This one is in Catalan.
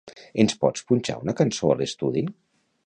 Ens pots punxar una cançó a l'estudi?